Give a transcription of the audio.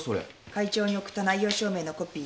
会長に送った内容証明のコピー。